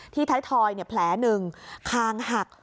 ท้ายทอยแผลหนึ่งคางหัก